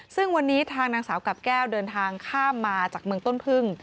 ซึ่งวันนี้ทางนางสาวกับแก้วเดินทางข้ามมาจากเมืองต้นพึ่ง